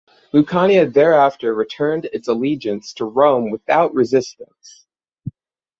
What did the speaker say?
Lucania thereafter returned its allegiance to Rome without resistance.